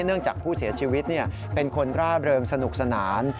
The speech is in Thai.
จากผู้เสียชีวิตเป็นคนร่าเริงสนุกสนาน